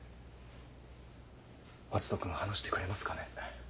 篤斗君話してくれますかね？